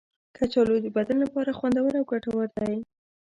کچالو د بدن لپاره خوندور او ګټور دی.